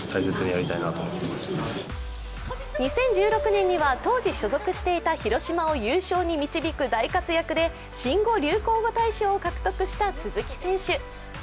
２０１６年には当時所属していた広島を優勝に導く大活躍で新語・流行語大賞を獲得した鈴木選手。